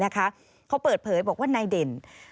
เขาเปิดเผยบอกว่านายเด่น